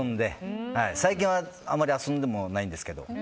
最近はあまり遊んでもないんですけど。